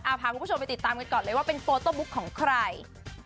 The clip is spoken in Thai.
พาคุณผู้ชมไปติดตามกันก่อนเลยว่าเป็นโฟโต้บุ๊กของใคร